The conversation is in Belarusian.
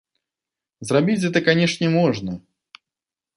Зрабіць гэта, канешне, можна.